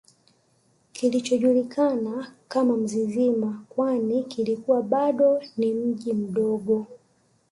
kilichojulikana kama Mzizima kwani kilikuwa bado ni mji mdogo